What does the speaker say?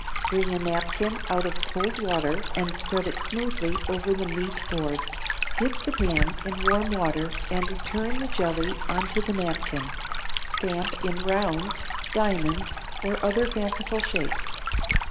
Wring a napkin out of cold water and spread it smoothly over the meat board. Dip the pan in warm water and turn the jelly onto the napkin; stamp in rounds, diamonds or other fanciful shapes.